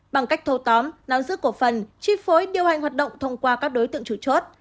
bằng cách thâu tóm nắm giữ cổ phần chi phối điều hành hoạt động thông qua các đối tượng chủ chốt